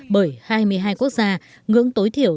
bởi hai mươi hai quốc gia ngưỡng tối thiểu